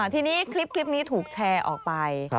ทีนี้คลิปนี้ถูกแชร์ออกไป